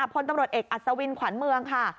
พลตำรวจเอกอัศวินขวัญเมืองค่ะ